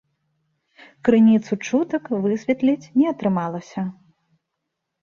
Крыніцу чутак высветліць не атрымалася.